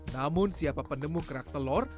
namun siapa penemu kerak telur